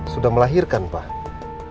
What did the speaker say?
sudah melahirkan pak